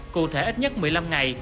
cụ thể ít nhất một mươi năm ngày